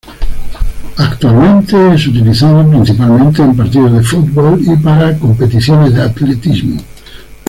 Actualmente es utilizado principalmente en partidos de fútbol y para competiciones de atletismo.